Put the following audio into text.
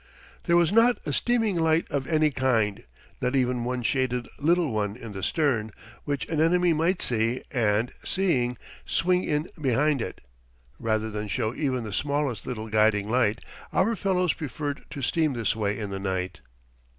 There was not a steaming light of any kind, not even one shaded little one in the stern, which an enemy might see and, seeing, swing in behind it. Rather than show even the smallest little guiding light, our fellows preferred to steam this way in the night.